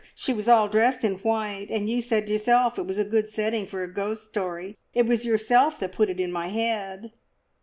She was dressed all in white, and you said yourself it was a good setting for a ghost story! It was yourself that put it in my head!"